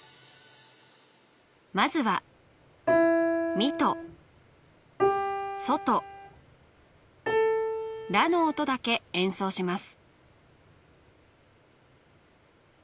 まずはミとソとラの音だけ演奏します